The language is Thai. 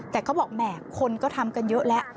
แต่เขาบอกแหมคนก็ทำกันเยอะแล้ว